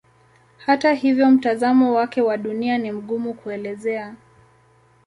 Hata hivyo mtazamo wake wa Dunia ni mgumu kuelezea.